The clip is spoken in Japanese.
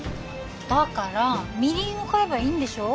だからみりんを買えばいいんでしょ？